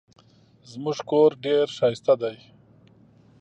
زموږ کور ډېر ښایسته دی.